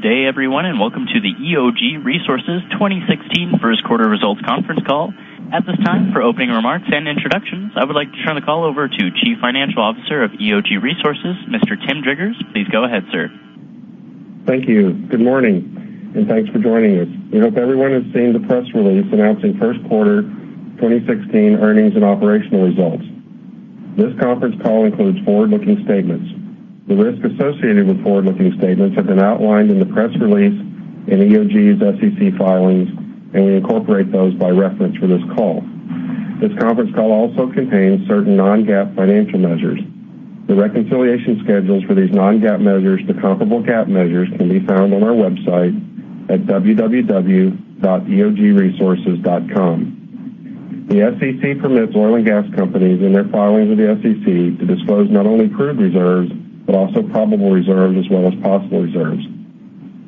Good day, everyone, and welcome to the EOG Resources 2016 first quarter results conference call. At this time, for opening remarks and introductions, I would like to turn the call over to Chief Financial Officer of EOG Resources, Mr. Tim Driggers. Please go ahead, sir. Thank you. Good morning, and thanks for joining us. We hope everyone has seen the press release announcing first quarter 2016 earnings and operational results. This conference call includes forward-looking statements. The risks associated with forward-looking statements have been outlined in the press release in EOG's SEC filings, and we incorporate those by reference for this call. This conference call also contains certain non-GAAP financial measures. The reconciliation schedules for these non-GAAP measures to comparable GAAP measures can be found on our website at www.eogresources.com. The SEC permits oil and gas companies, in their filings with the SEC, to disclose not only proved reserves, but also probable reserves, as well as possible reserves.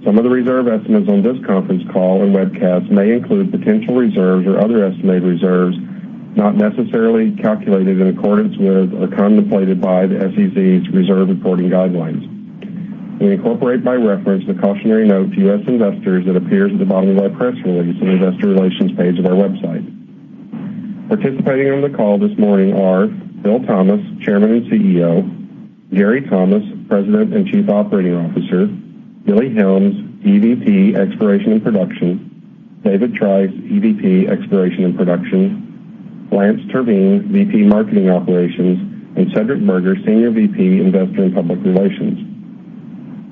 Some of the reserve estimates on this conference call and webcast may include potential reserves or other estimated reserves not necessarily calculated in accordance with or contemplated by the SEC's reserve reporting guidelines. We incorporate by reference the cautionary note to U.S. investors that appears at the bottom of our press release in the investor relations page of our website. Participating on the call this morning are Bill Thomas, Chairman and CEO; Gary Thomas, President and Chief Operating Officer; Billy Helms, EVP, Exploration and Production; David Trice, EVP, Exploration and Production; Lance Terveen, VP, Marketing Operations; and Cedric Berger, Senior VP, Investor and Public Relations.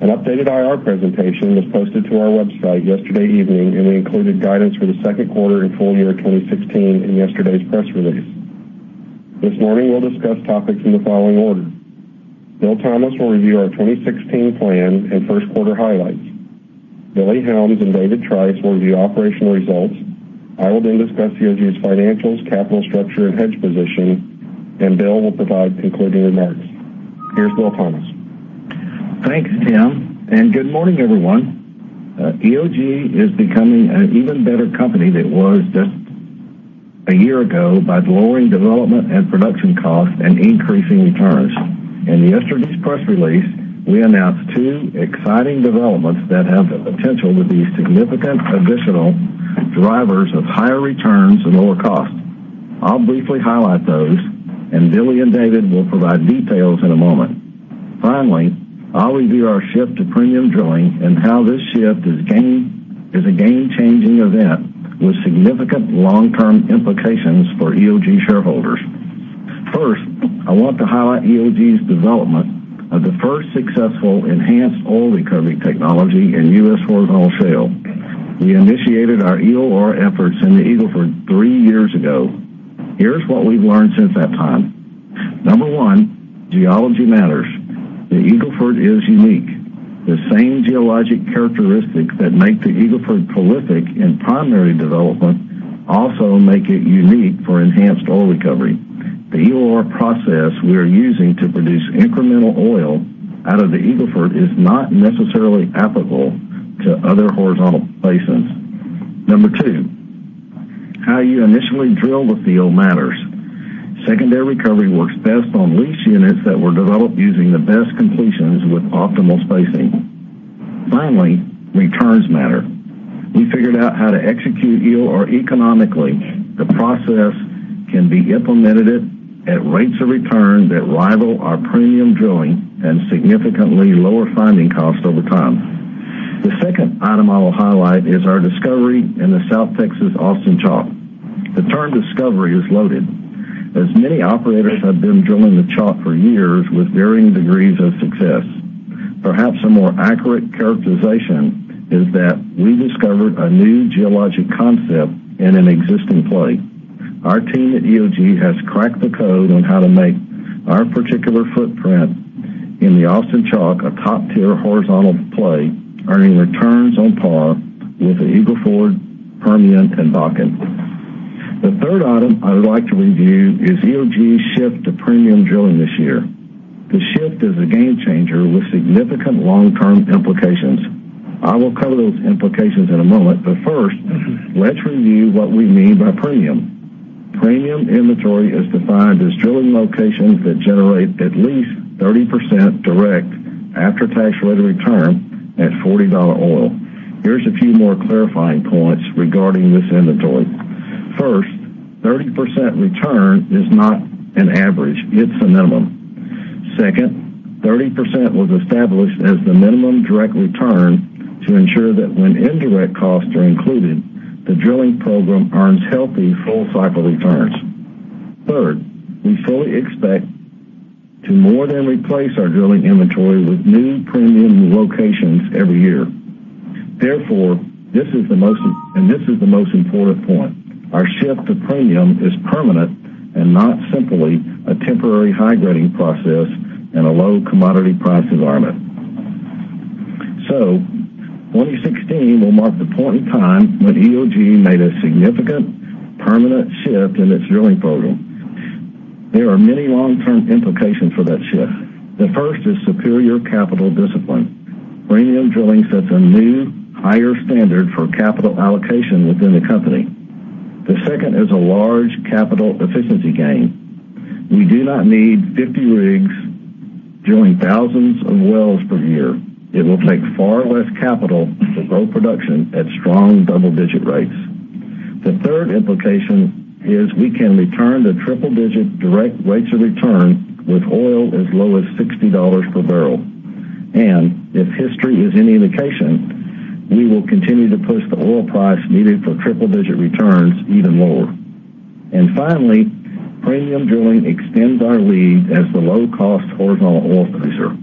An updated IR presentation was posted to our website yesterday evening, and we included guidance for the second quarter and full year 2016 in yesterday's press release. This morning, we'll discuss topics in the following order. Bill Thomas will review our 2016 plan and first quarter highlights. Billy Helms and David Trice will review operational results. I will then discuss EOG's financials, capital structure, and hedge position, and Bill will provide concluding remarks. Here's Bill Thomas. Thanks, Tim, and good morning, everyone. EOG is becoming an even better company than it was just a year ago by lowering development and production costs and increasing returns. In yesterday's press release, we announced two exciting developments that have the potential to be significant additional drivers of higher returns and lower costs. I'll briefly highlight those, and Billy and David will provide details in a moment. Finally, I'll review our shift to premium drilling and how this shift is a game-changing event with significant long-term implications for EOG shareholders. First, I want to highlight EOG's development of the first successful enhanced oil recovery technology in U.S. horizontal shale. We initiated our EOR efforts in the Eagle Ford three years ago. Here's what we've learned since that time. Number 1, geology matters. The same geologic characteristics that make the Eagle Ford prolific in primary development also make it unique for enhanced oil recovery. The EOR process we are using to produce incremental oil out of the Eagle Ford is not necessarily applicable to other horizontal basins. Number two, how you initially drill the field matters. Secondary recovery works best on lease units that were developed using the best completions with optimal spacing. Finally, returns matter. We figured out how to execute EOR economically. The process can be implemented at rates of return that rival our premium drilling and significantly lower finding costs over time. The second item I will highlight is our discovery in the South Texas Austin Chalk. The term discovery is loaded, as many operators have been drilling the Chalk for years with varying degrees of success. Perhaps a more accurate characterization is that we discovered a new geologic concept in an existing play. Our team at EOG has cracked the code on how to make our particular footprint in the Austin Chalk a top-tier horizontal play, earning returns on par with the Eagle Ford, Permian, and Bakken. The third item I would like to review is EOG's shift to premium drilling this year. The shift is a game changer with significant long-term implications. I will cover those implications in a moment, first, let's review what we mean by premium. Premium inventory is defined as drilling locations that generate at least 30% direct after-tax rate of return at $40 oil. Here's a few more clarifying points regarding this inventory. First, 30% return is not an average. It's a minimum. Second, 30% was established as the minimum direct return to ensure that when indirect costs are included, the drilling program earns healthy full cycle returns. Third, we fully expect to more than replace our drilling inventory with new premium locations every year. This is the most important point, our shift to premium is permanent and not simply a temporary hydrating process in a low commodity price environment. 2016 will mark the point in time when EOG made a significant, permanent shift in its drilling program. There are many long-term implications for that shift. The first is superior capital discipline. Premium drilling sets a new, higher standard for capital allocation within the company. The second is a large capital efficiency gain. We do not need 50 rigs drilling thousands of wells per year. It will take far less capital to grow production at strong double-digit rates. The third implication is we can return to triple-digit direct rates of return with oil as low as $60 per barrel. If history is any indication, we will continue to push the oil price needed for triple-digit returns even lower. Finally, premium drilling extends our lead as the low-cost horizontal oil producer.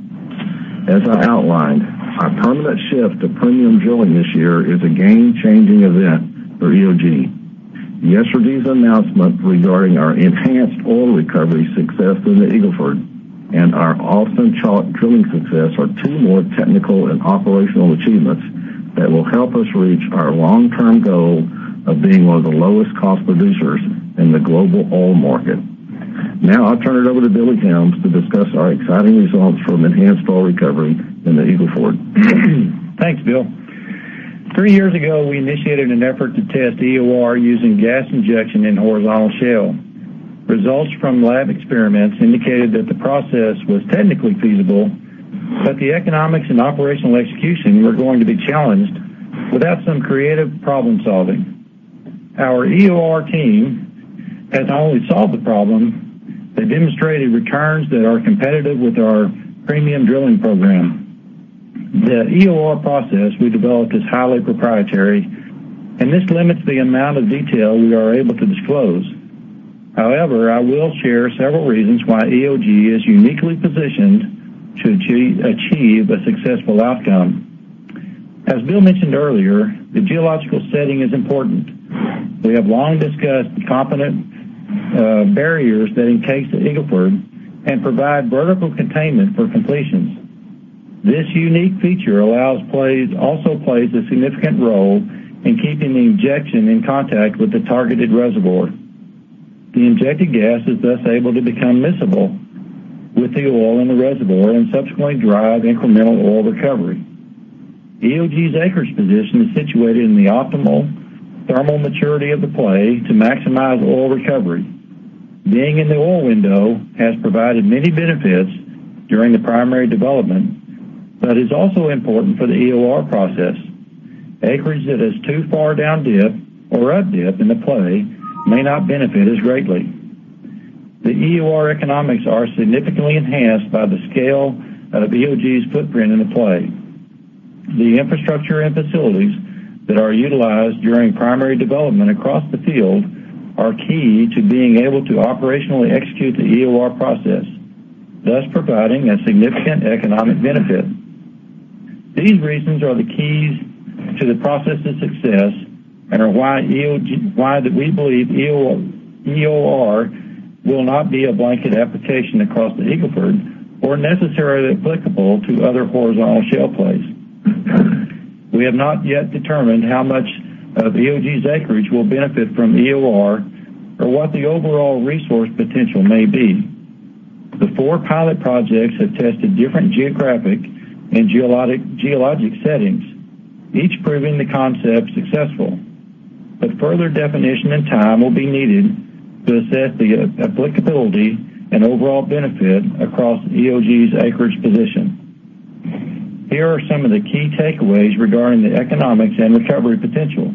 As I outlined, our permanent shift to premium drilling this year is a game-changing event for EOG. Yesterday's announcement regarding our enhanced oil recovery success in the Eagle Ford and our Austin Chalk drilling success are two more technical and operational achievements that will help us reach our long-term goal of being one of the lowest cost producers in the global oil market. I'll turn it over to Billy Counts to discuss our exciting results from enhanced oil recovery in the Eagle Ford. Thanks, Bill. Three years ago, we initiated an effort to test EOR using gas injection in horizontal shale. Results from lab experiments indicated that the process was technically feasible, but the economics and operational execution were going to be challenged without some creative problem-solving. Our EOR team has not only solved the problem, they demonstrated returns that are competitive with our premium drilling program. The EOR process we developed is highly proprietary, and this limits the amount of detail we are able to disclose. However, I will share several reasons why EOG is uniquely positioned to achieve a successful outcome. As Bill mentioned earlier, the geological setting is important. We have long discussed the competent barriers that encase the Eagle Ford and provide vertical containment for completions. This unique feature also plays a significant role in keeping the injection in contact with the targeted reservoir. The injected gas is thus able to become miscible with the oil in the reservoir and subsequently drive incremental oil recovery. EOG's acreage position is situated in the optimal thermal maturity of the play to maximize oil recovery. Being in the oil window has provided many benefits during the primary development, but is also important for the EOR process. Acreage that is too far down dip or up dip in the play may not benefit as greatly. The EOR economics are significantly enhanced by the scale of EOG's footprint in the play. The infrastructure and facilities that are utilized during primary development across the field are key to being able to operationally execute the EOR process, thus providing a significant economic benefit. These reasons are the keys to the process's success and are why that we believe EOR will not be a blanket application across the Eagle Ford or necessarily applicable to other horizontal shale plays. We have not yet determined how much of EOG's acreage will benefit from EOR or what the overall resource potential may be. The four pilot projects have tested different geographic and geologic settings, each proving the concept successful. Further definition and time will be needed to assess the applicability and overall benefit across EOG's acreage position. Here are some of the key takeaways regarding the economics and recovery potential.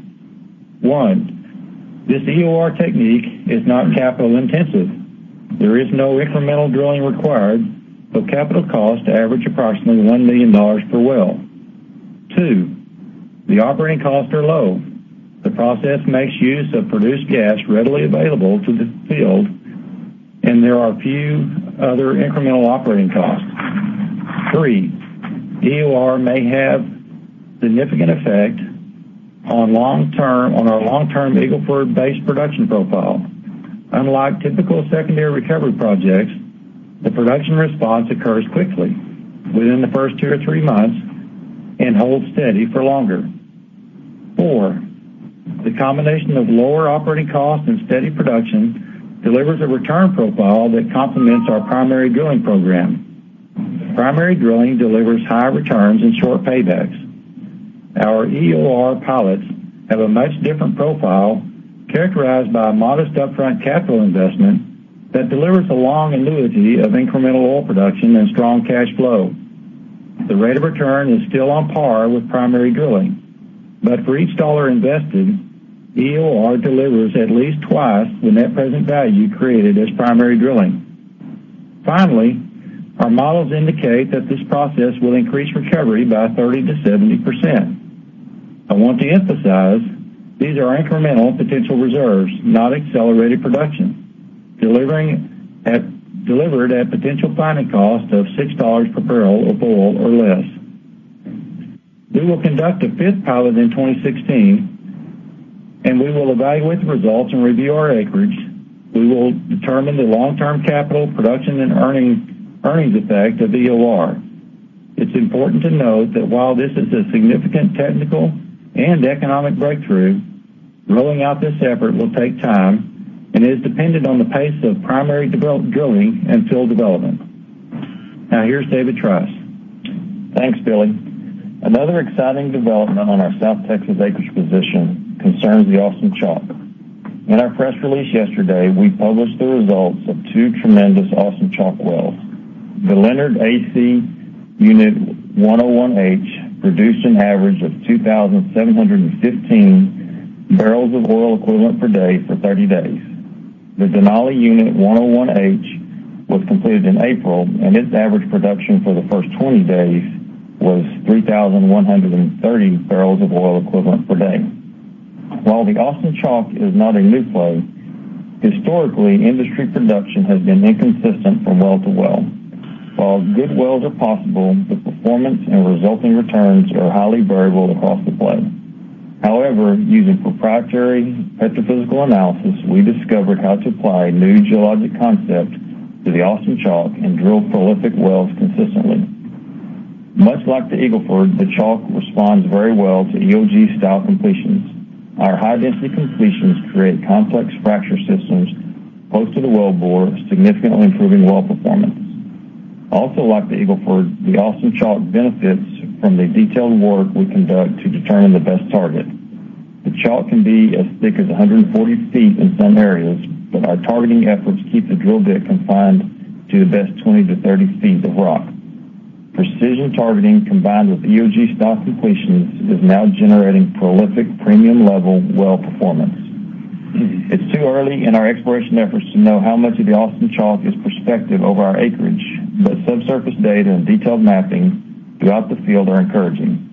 One, this EOR technique is not capital intensive. There is no incremental drilling required, with capital costs to average approximately $1 million per well. Two, the operating costs are low. The process makes use of produced gas readily available to the field, and there are few other incremental operating costs. Three, EOR may have significant effect on our long-term Eagle Ford base production profile. Unlike typical secondary recovery projects, the production response occurs quickly within the first two or three months and holds steady for longer. Four, the combination of lower operating costs and steady production delivers a return profile that complements our primary drilling program. Primary drilling delivers high returns and short paybacks. Our EOR pilots have a much different profile characterized by a modest upfront capital investment that delivers a long annuity of incremental oil production and strong cash flow. The rate of return is still on par with primary drilling, but for each dollar invested, EOR delivers at least twice the net present value created as primary drilling. Finally, our models indicate that this process will increase recovery by 30%-70%. I want to emphasize, these are incremental potential reserves, not accelerated production, delivered at potential finding cost of $6 per barrel of oil or less. We will conduct a fifth pilot in 2016. We will evaluate the results and review our acreage. We will determine the long-term capital production and earnings effect of EOR. It's important to note that while this is a significant technical and economic breakthrough, rolling out this effort will take time and is dependent on the pace of primary drilling and field development. Now here's David Trice. Thanks, Billy. Another exciting development on our South Texas acreage position concerns the Austin Chalk. In our press release yesterday, we published the results of two tremendous Austin Chalk wells. The Leonard AC Unit 101H produced an average of 2,715 barrels of oil equivalent per day for 30 days. The Denali Unit 101H was completed in April. Its average production for the first 20 days was 3,130 barrels of oil equivalent per day. While the Austin Chalk is not a new play, historically, industry production has been inconsistent from well to well. While good wells are possible, the performance and resulting returns are highly variable across the play. However, using proprietary petrophysical analysis, we discovered how to apply new geologic concepts to the Austin Chalk and drill prolific wells consistently. Much like the Eagle Ford, the Chalk responds very well to EOG-style completions. Our high-density completions create complex fracture systems close to the wellbore, significantly improving well performance. Also like the Eagle Ford, the Austin Chalk benefits from the detailed work we conduct to determine the best target. The Chalk can be as thick as 140 feet in some areas. Our targeting efforts keep the drill bit confined to the best 20-30 feet of rock. Precision targeting combined with EOG-style completions is now generating prolific, premium-level well performance. It's too early in our exploration efforts to know how much of the Austin Chalk is prospective over our acreage. Subsurface data and detailed mapping throughout the field are encouraging.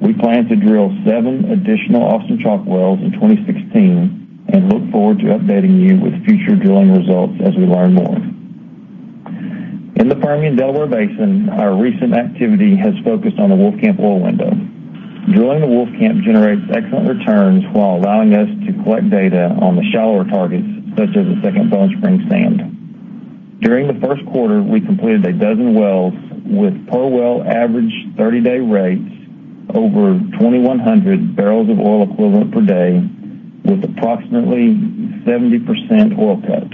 We plan to drill seven additional Austin Chalk wells in 2016. We look forward to updating you with future drilling results as we learn more. In the Permian Delaware Basin, our recent activity has focused on the Wolfcamp Oil Window. Drilling the Wolfcamp generates excellent returns while allowing us to collect data on the shallower targets, such as the Second Bone Spring sand. During the first quarter, we completed 12 wells with per-well average 30-day rates over 2,100 barrels of oil equivalent per day with approximately 70% oil cut.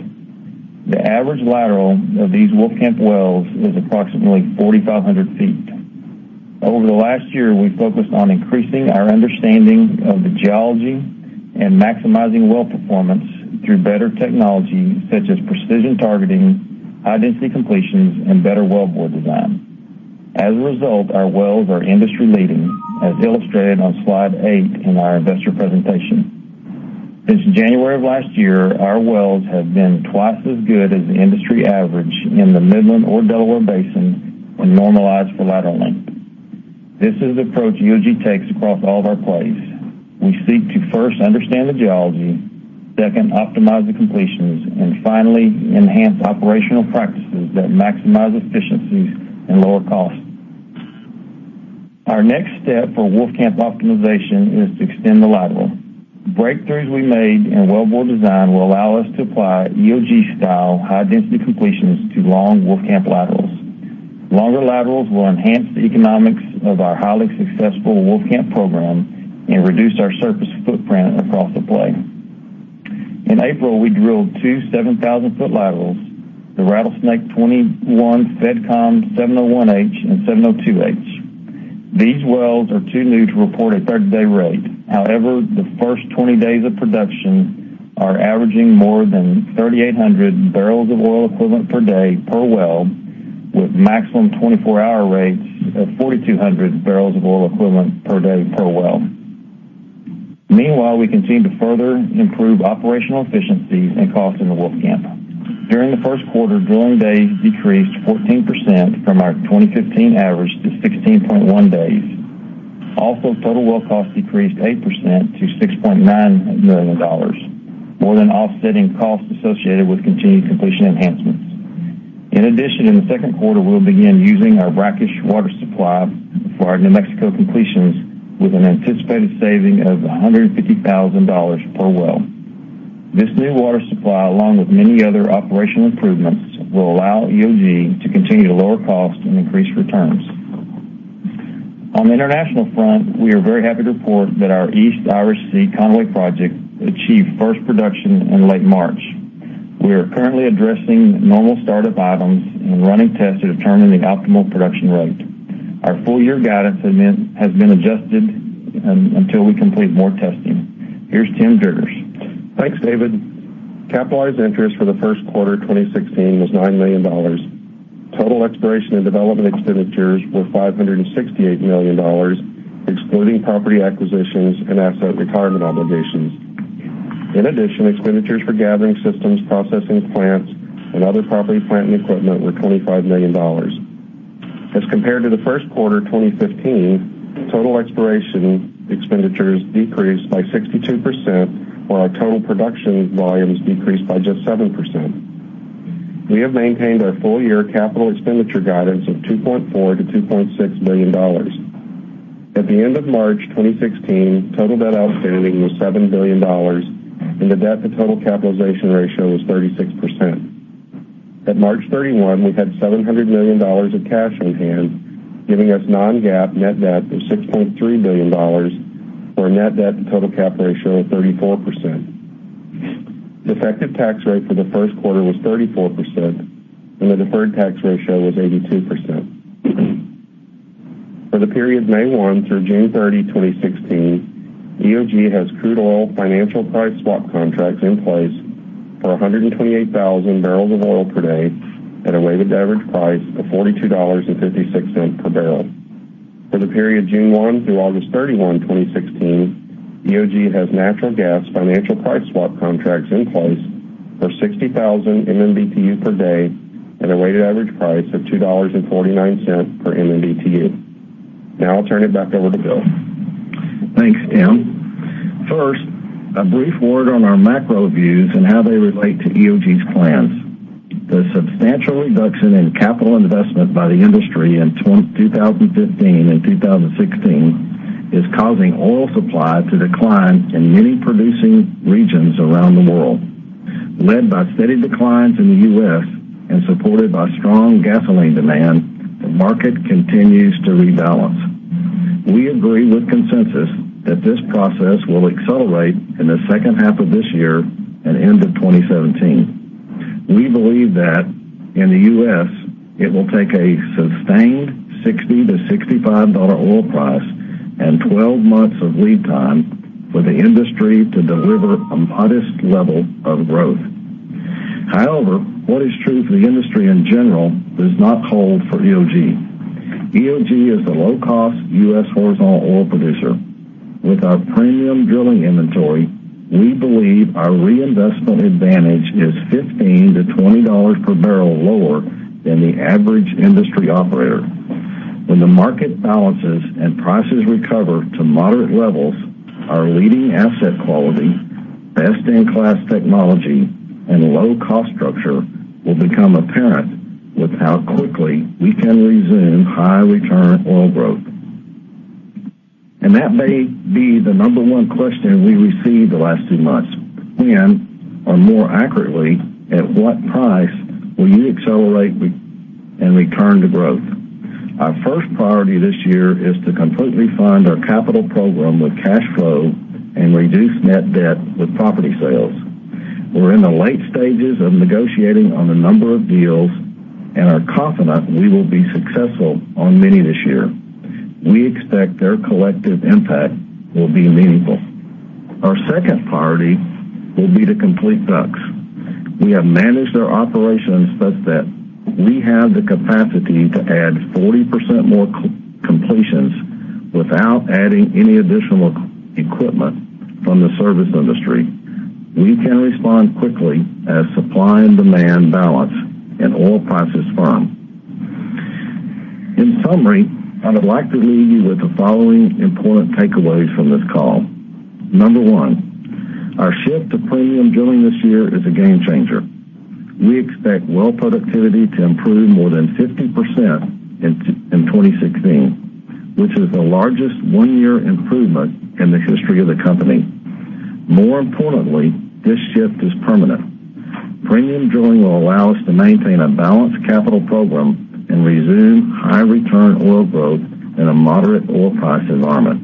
The average lateral of these Wolfcamp wells is approximately 4,500 feet. Over the last year, we focused on increasing our understanding of the geology and maximizing well performance through better technology such as precision targeting, high-density completions, and better wellbore design. As a result, our wells are industry-leading, as illustrated on slide eight in our investor presentation. Since January of last year, our wells have been twice as good as the industry average in the Midland or Delaware Basin when normalized for lateral length. This is the approach EOG takes across all of our plays. We seek to first understand the geology, second, optimize the completions, and finally, enhance operational practices that maximize efficiencies and lower costs. Our next step for Wolfcamp optimization is to extend the lateral. Breakthroughs we made in wellbore design will allow us to apply EOG-style high-density completions to long Wolfcamp laterals. Longer laterals will enhance the economics of our highly successful Wolfcamp program and reduce our surface footprint across the play. In April, we drilled two 7,000-foot laterals, the Rattlesnake 21 Fed Com #701H and #702H. These wells are too new to report a 30-day rate. However, the first 20 days of production are averaging more than 3,800 barrels of oil equivalent per day per well, with maximum 24-hour rates of 4,200 barrels of oil equivalent per day per well. Meanwhile, we continue to further improve operational efficiencies and costs in the Wolfcamp. During the first quarter, drilling days decreased 14% from our 2015 average to 16.1 days. Also, total well cost decreased 8% to $6.9 million, more than offsetting costs associated with continued completion enhancements. In addition, in the second quarter, we will begin using our brackish water supply for our New Mexico completions with an anticipated saving of $150,000 per well. This new water supply, along with many other operational improvements, will allow EOG to continue to lower costs and increase returns. On the international front, we are very happy to report that our East Irish Sea Conway project achieved first production in late March. We are currently addressing normal start-up items and running tests to determine the optimal production rate. Our full-year guidance has been adjusted until we complete more testing. Here is Tim Driggers. Thanks, David. Capitalized interest for the first quarter 2016 was $9 million. Total exploration and development expenditures were $568 million, excluding property acquisitions and asset retirement obligations. In addition, expenditures for gathering systems, processing plants, and other property, plant, and equipment were $25 million. As compared to the first quarter 2015, total exploration expenditures decreased by 62%, while our total production volumes decreased by just 7%. We have maintained our full-year capital expenditure guidance of $2.4 billion-$2.6 billion. At the end of March 2016, total debt outstanding was $7 billion, and the debt-to-total capitalization ratio was 36%. At March 31, we had $700 million of cash on hand, giving us non-GAAP net debt of $6.3 billion, or a net debt to total cap ratio of 34%. The effective tax rate for the first quarter was 34%, and the deferred tax ratio was 82%. For the period May 1 through June 30, 2016, EOG has crude oil financial price swap contracts in place for 128,000 barrels of oil per day at a weighted average price of $42.56 per barrel. For the period June 1 through August 31, 2016, EOG has natural gas financial price swap contracts in place for 60,000 MMBtu per day at a weighted average price of $2.49 per MMBtu. I'll turn it back over to Bill. Thanks, Tim. First, a brief word on our macro views and how they relate to EOG's plans. The substantial reduction in capital investment by the industry in 2015 and 2016 is causing oil supply to decline in many producing regions around the world. Led by steady declines in the U.S. and supported by strong gasoline demand, the market continues to rebalance. We agree with consensus that this process will accelerate in the second half of this year and into 2017. We believe that in the U.S., it will take a sustained $60 to $65 oil price and 12 months of lead time for the industry to deliver a modest level of growth. However, what is true for the industry in general does not hold for EOG. EOG is a low-cost U.S. horizontal oil producer. With our premium drilling inventory, we believe our reinvestment advantage is $15 to $20 per barrel lower than the average industry operator. When the market balances and prices recover to moderate levels, our leading asset quality, best-in-class technology, and low cost structure will become apparent with how quickly we can resume high-return oil growth. That may be the number 1 question we received the last two months. When, or more accurately, at what price will you accelerate and return to growth? Our first priority this year is to completely fund our CapEx program with cash flow and reduce net debt with property sales. We're in the late stages of negotiating on a number of deals and are confident we will be successful on many this year. We expect their collective impact will be meaningful. Our second priority will be to complete DUCs. We have managed our operations such that we have the capacity to add 40% more completions without adding any additional equipment from the service industry. We can respond quickly as supply and demand balance and oil prices firm. In summary, I would like to leave you with the following important takeaways from this call. Number 1, our shift to premium drilling this year is a game changer. We expect well productivity to improve more than 50% in 2016, which is the largest one-year improvement in the history of the company. More importantly, this shift is permanent. Premium drilling will allow us to maintain a balanced CapEx program and resume high-return oil growth in a moderate oil price environment.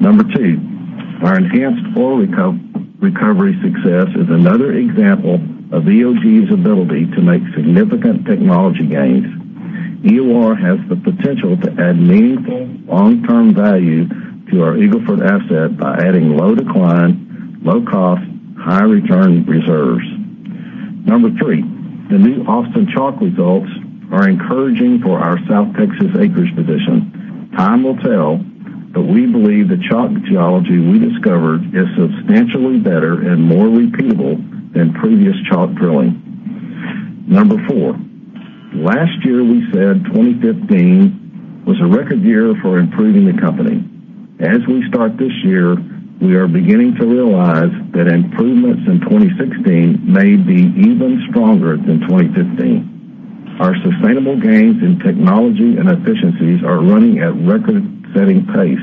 Number 2, our enhanced oil recovery success is another example of EOG's ability to make significant technology gains. EOR has the potential to add meaningful long-term value to our Eagle Ford asset by adding low decline, low cost, high return reserves. Number three, the new Austin Chalk results are encouraging for our South Texas acreage position. Time will tell, but we believe the Chalk geology we discovered is substantially better and more repeatable than previous Chalk drilling. Number four, last year we said 2015 was a record year for improving the company. As we start this year, we are beginning to realize that improvements in 2016 may be even stronger than 2015. Our sustainable gains in technology and efficiencies are running at record-setting pace,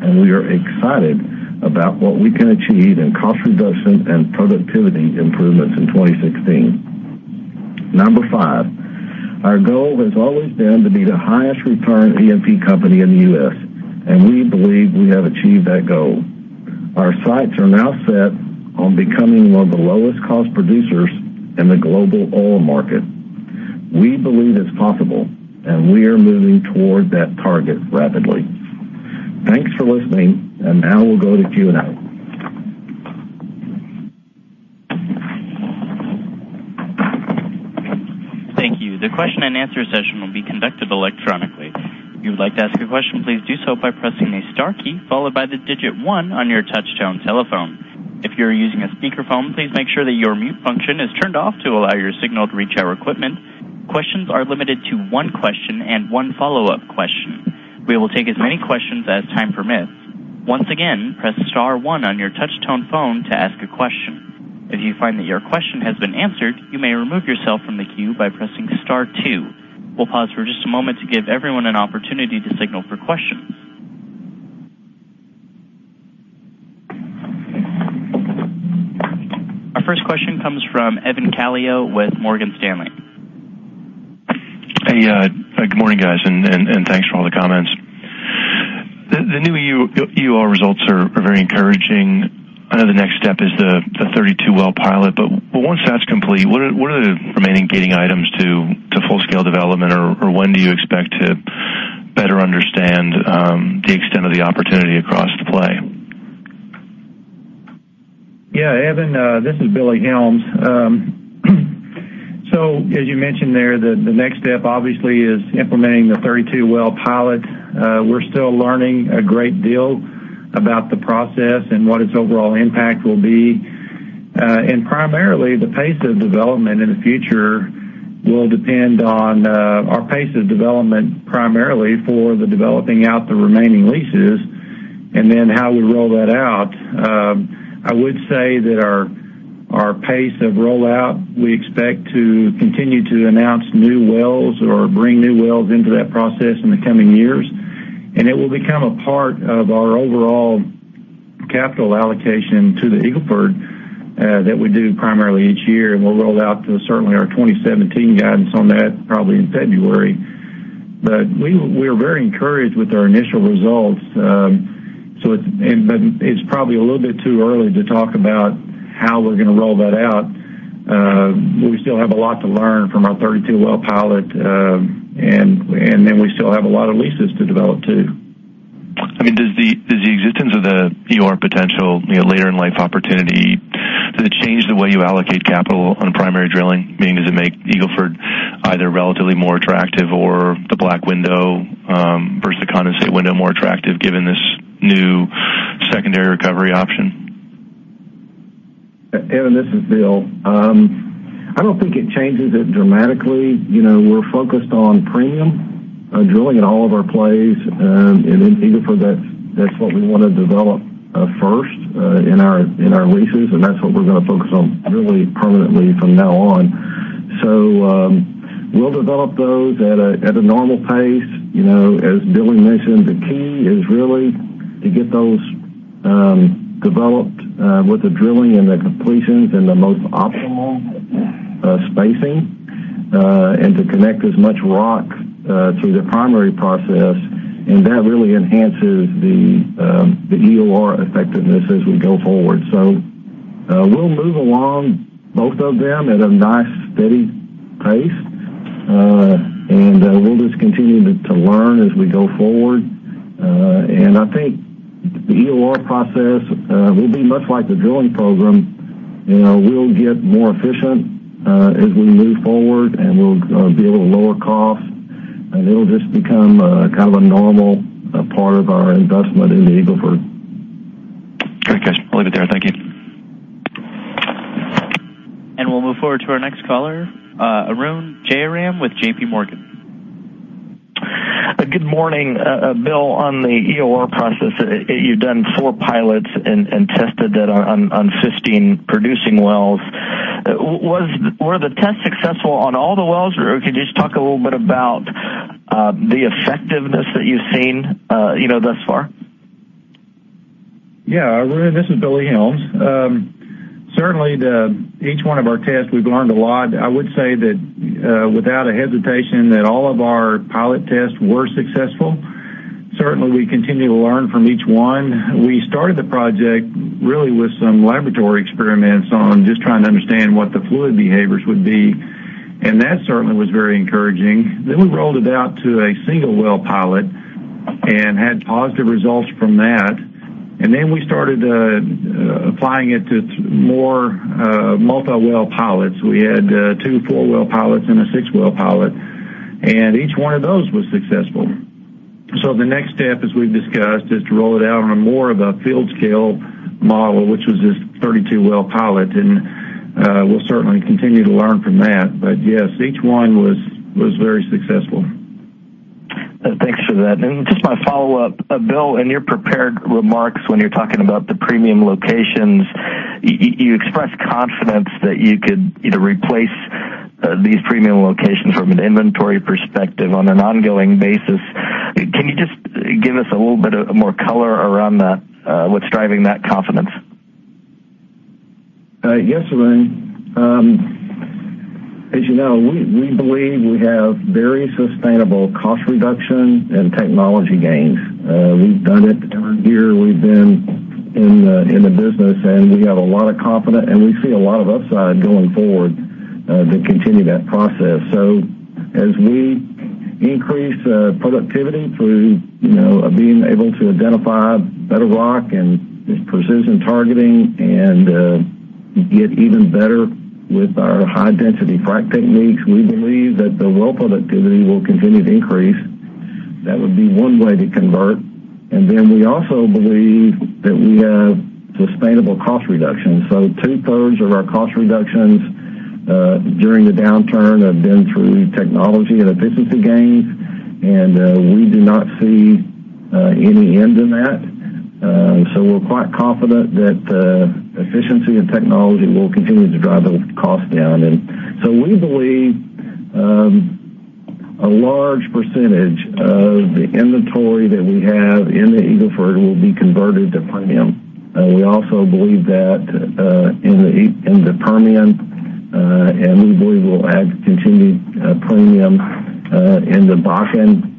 and we are excited about what we can achieve in cost reduction and productivity improvements in 2016. Number five, our goal has always been to be the highest returning E&P company in the U.S. We believe we have achieved that goal. Our sights are now set on becoming one of the lowest-cost producers in the global oil market. We believe it's possible. We are moving toward that target rapidly. Thanks for listening. Now we'll go to Q&A. Thank you. The question and answer session will be conducted electronically. If you would like to ask a question, please do so by pressing the star key, followed by the digit 1 on your touchtone telephone. If you're using a speakerphone, please make sure that your mute function is turned off to allow your signal to reach our equipment. Questions are limited to one question and one follow-up question. We will take as many questions as time permits. Once again, press star one on your touchtone phone to ask a question. If you find that your question has been answered, you may remove yourself from the queue by pressing star two. We'll pause for just a moment to give everyone an opportunity to signal for questions. Our first question comes from Evan Calio with Morgan Stanley. Hey. Good morning, guys. Thanks for all the comments. The new EOR results are very encouraging. I know the next step is the 32-well pilot. Once that's complete, what are the remaining gating items to full-scale development? When do you expect to better understand the extent of the opportunity across the play? Yeah, Evan, this is Billy Helms. As you mentioned there, the next step, obviously, is implementing the 32-well pilot. We're still learning a great deal about the process and what its overall impact will be. Primarily, the pace of development in the future will depend on our pace of development primarily for the developing out the remaining leases and then how we roll that out. I would say that our pace of rollout, we expect to continue to announce new wells or bring new wells into that process in the coming years. It will become a part of our overall capital allocation to the Eagle Ford that we do primarily each year. We'll roll out certainly our 2017 guidance on that probably in February. We are very encouraged with our initial results. It's probably a little bit too early to talk about how we're going to roll that out. We still have a lot to learn from our 32-well pilot. We still have a lot of leases to develop too. Does the existence of the EOR potential later in life opportunity, does it change the way you allocate capital on primary drilling? Meaning, does it make Eagle Ford either relatively more attractive or the Wolfcamp Oil Window versus the condensate window more attractive given this new secondary recovery option? Evan, this is Bill. I don't think it changes it dramatically. We're focused on premium drilling in all of our plays. In Eagle Ford, that's what we want to develop first in our leases, and that's what we're going to focus on really permanently from now on. We'll develop those at a normal pace. As Billy mentioned, the key is really to get those developed with the drilling and the completions in the most optimal spacing, and to connect as much rock to the primary process. That really enhances the EOR effectiveness as we go forward. We'll move along both of them at a nice, steady pace. We'll just continue to learn as we go forward. I think the EOR process will be much like the drilling program. We'll get more efficient as we move forward, and we'll be able to lower costs. It'll just become a normal part of our investment in the Eagle Ford. Great. Guys. We'll leave it there. Thank you. We'll move forward to our next caller, Arun Jayaram with JPMorgan. Good morning. Bill, on the EOR process, you've done four pilots and tested that on 15 producing wells. Were the tests successful on all the wells, or could you just talk a little bit about the effectiveness that you've seen thus far? Yeah, Arun, this is Billy Helms. Certainly, each one of our tests, we've learned a lot. I would say that without a hesitation that all of our pilot tests were successful. Certainly, we continue to learn from each one. We started the project really with some laboratory experiments on just trying to understand what the fluid behaviors would be, and that certainly was very encouraging. We rolled it out to a single well pilot and had positive results from that. We started applying it to more multi-well pilots. We had two four-well pilots and a six-well pilot, and each one of those was successful. The next step, as we've discussed, is to roll it out on more of a field-scale model, which was this 32-well pilot. We'll certainly continue to learn from that. Yes, each one was very successful. Thanks for that. Just my follow-up, Bill, in your prepared remarks when you're talking about the premium locations, you expressed confidence that you could either replace these premium locations from an inventory perspective on an ongoing basis. Can you just give us a little bit of more color around that? What's driving that confidence? Yes, Arun. As you know, we believe we have very sustainable cost reduction and technology gains. We've done it every year we've been in the business, and we have a lot of confidence, and we see a lot of upside going forward to continue that process. As we increase productivity through being able to identify better rock and precision targeting and get even better with our high-density frack techniques, we believe that the well productivity will continue to increase. That would be one way to convert. We also believe that we have sustainable cost reductions. Two-thirds of our cost reductions during the downturn have been through technology and efficiency gains, and we do not see any end in that. We're quite confident that efficiency and technology will continue to drive those costs down. We believe a large percentage of the inventory that we have in the Eagle Ford will be converted to premium. We also believe that in the Permian, and we believe we'll add continued premium in the Bakken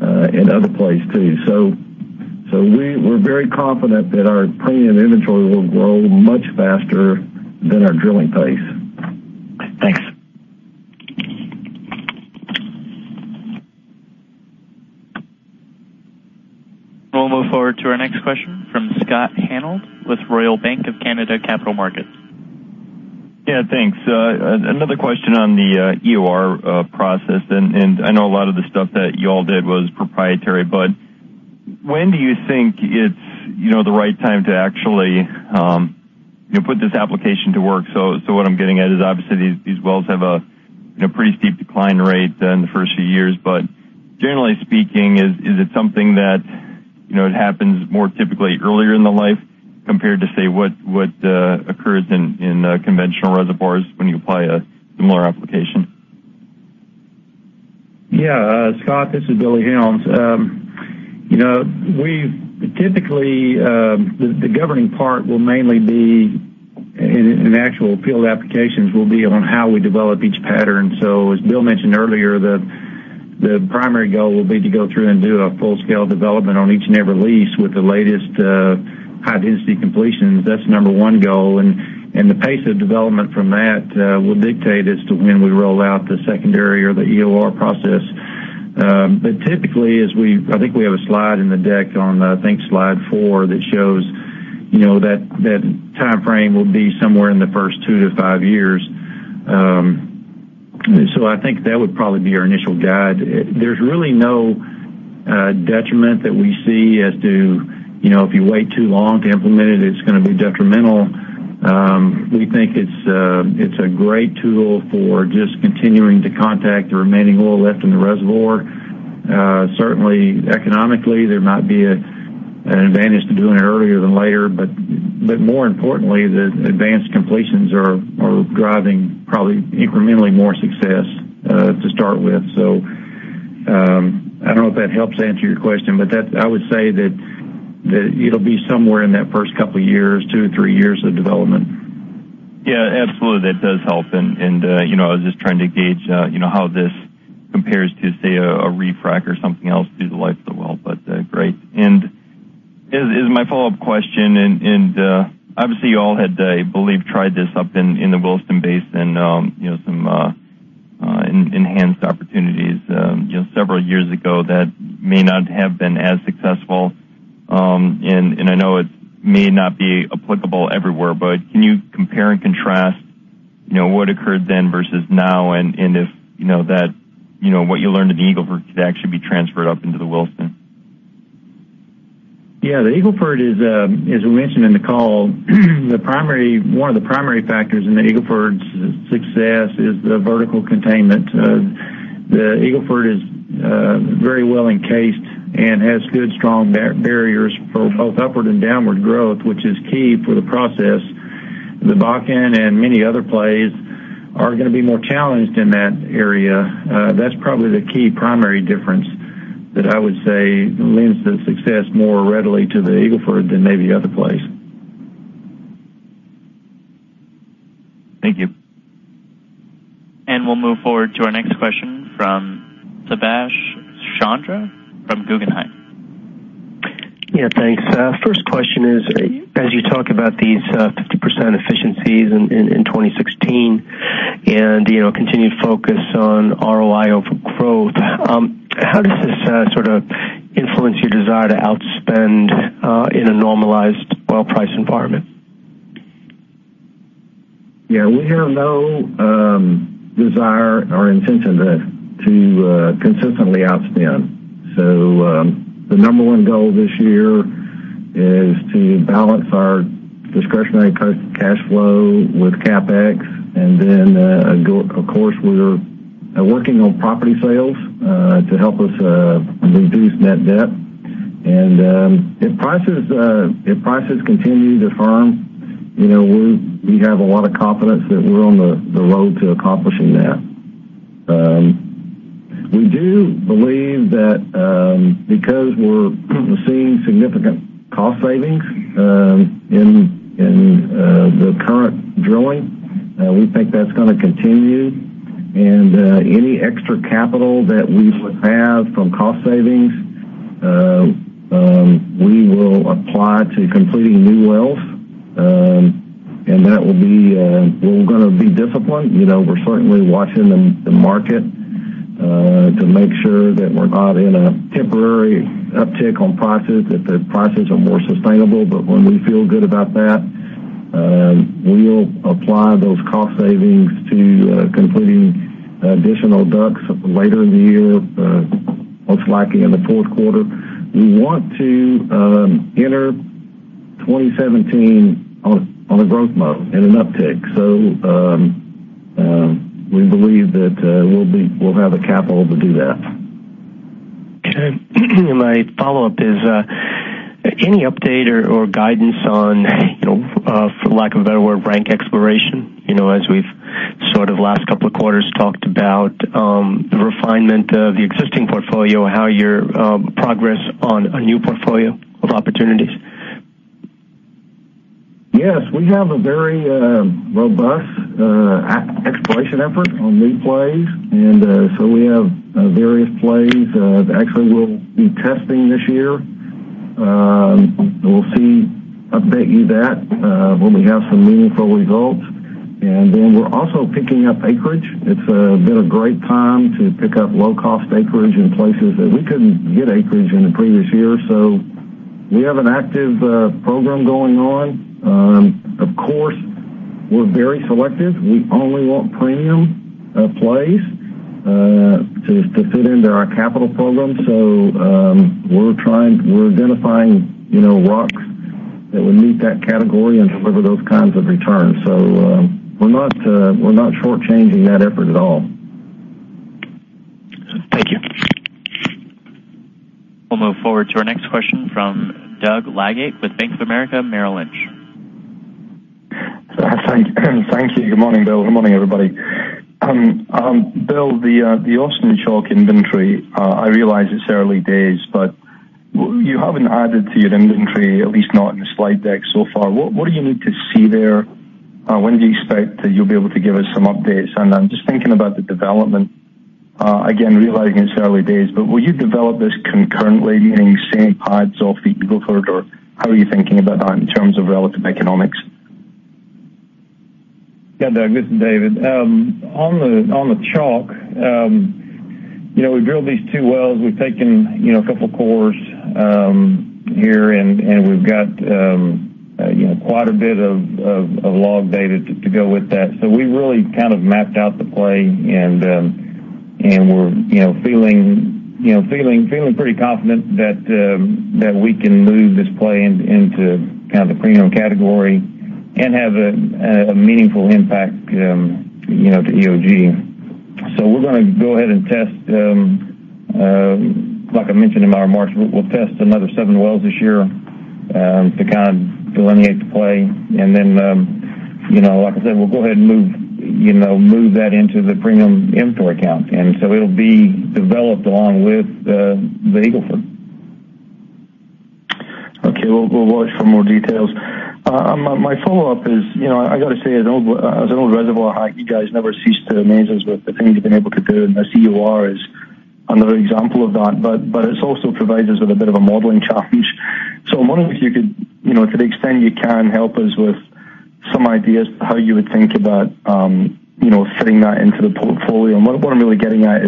and other places too. We're very confident that our premium inventory will grow much faster than our drilling pace. Thanks. We'll move forward to our next question from Scott Hanold with Royal Bank of Canada Capital Markets. Yeah, thanks. Another question on the EOR process. I know a lot of the stuff that you all did was proprietary, when do you think it's the right time to actually put this application to work? What I'm getting at is obviously these wells have a pretty steep decline rate in the first few years, generally speaking, is it something that it happens more typically earlier in the life compared to, say, what occurs in conventional reservoirs when you apply a similar application? Yeah. Scott, this is Billy Helms. Typically, the governing part will mainly be, in actual field applications, will be on how we develop each pattern. As Bill mentioned earlier, the primary goal will be to go through and do a full-scale development on each and every lease with the latest high-density completions. That's the number 1 goal, the pace of development from that will dictate as to when we roll out the secondary or the EOR process. Typically, I think we have a slide in the deck on, I think slide four, that shows that timeframe will be somewhere in the first 2 to 5 years. I think that would probably be our initial guide. There's really no detriment that we see as to if you wait too long to implement it's going to be detrimental. We think it's a great tool for just continuing to contact the remaining oil left in the reservoir. Certainly, economically, there might be an advantage to doing it earlier than later, more importantly, the advanced completions are driving probably incrementally more success to start with. I don't know if that helps answer your question, I would say that it'll be somewhere in that first couple of years, 2 to 3 years of development. Yeah, absolutely. That does help. I was just trying to gauge how this compares to, say, a refrac or something else through the life of the well, but great. As my follow-up question, obviously, you all had, I believe, tried this up in the Williston Basin, some enhanced opportunities just several years ago that may not have been as successful. I know it may not be applicable everywhere, but can you compare and contrast what occurred then versus now? If what you learned in the Eagle Ford could actually be transferred up into the Williston? Yeah. The Eagle Ford is, as we mentioned in the call, one of the primary factors in the Eagle Ford's success is the vertical containment. The Eagle Ford is very well encased and has good, strong barriers for both upward and downward growth, which is key for the process. The Bakken and many other plays are going to be more challenged in that area. That's probably the key primary difference that I would say lends the success more readily to the Eagle Ford than maybe other plays. Thank you. We'll move forward to our next question from Subash Chandra from Guggenheim. Yeah, thanks. First question is, as you talk about these 50% efficiencies in 2016 and continued focus on ROI over growth, how does this sort of influence your desire to outspend in a normalized oil price environment? Yeah, we have no desire or intention to consistently outspend. The number 1 goal this year is to balance our discretionary cash flow with CapEx. Of course, we're working on property sales to help us reduce net debt. If prices continue to firm, we have a lot of confidence that we're on the road to accomplishing that. We do believe that because we're seeing significant cost savings in the current drilling, we think that's going to continue. Any extra capital that we would have from cost savings, we will apply to completing new wells. We're going to be disciplined. We're certainly watching the market to make sure that we're not in a temporary uptick on prices, that the prices are more sustainable. When we feel good about that, we'll apply those cost savings to completing additional DUCs later in the year, most likely in the 4th quarter. We want to enter 2017 on a growth mode and an uptick. We believe that we'll have the capital to do that. Okay. My follow-up is, any update or guidance on, for lack of a better word, rank exploration? As we've sort of last couple of quarters talked about the refinement of the existing portfolio, how your progress on a new portfolio of opportunities? Yes, we have a very robust exploration effort on new plays. We have various plays that actually we'll be testing this year. We'll see, update you that when we have some meaningful results. We're also picking up acreage. It's been a great time to pick up low-cost acreage in places that we couldn't get acreage in the previous year. We have an active program going on. Of course, we're very selective. We only want premium plays to fit into our capital program. We're identifying rocks that would meet that category and deliver those kinds of returns. We're not short-changing that effort at all. Thank you. We'll move forward to our next question from Doug Leggate with Bank of America Merrill Lynch. Thank you. Good morning, Bill. Good morning, everybody. Bill, the Austin Chalk inventory, I realize it's early days, but you haven't added to your inventory, at least not in the slide deck so far. What do you need to see there? When do you expect that you'll be able to give us some updates? I'm just thinking about the development. Again, realizing it's early days, but will you develop this concurrently, meaning same pads off the Eagle Ford, or how are you thinking about that in terms of relative economics? Doug, this is David. On the Chalk, we drilled these two wells. We've taken a couple cores here, and we've got quite a bit of log data to go with that. We really kind of mapped out the play, and we're feeling pretty confident that we can move this play into kind of the premium category and have a meaningful impact to EOG. We're going to go ahead and test, like I mentioned in my remarks, we'll test another seven wells this year to kind of delineate the play. Then like I said, we'll go ahead and move that into the premium inventory account. It'll be developed along with the Eagle Ford. Okay, we'll watch for more details. My follow-up is, I got to say, as an old reservoir hack, you guys never cease to amaze us with the things you've been able to do, and the EOR is another example of that. It also provides us with a bit of a modeling challenge. I wonder if you could, to the extent you can, help us with some ideas how you would think about fitting that into the portfolio. What I'm really getting at